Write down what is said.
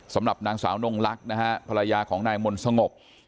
สำหรับนางสาวนงลักษณ์นะฮะภรรยาของนายมนต์สงบ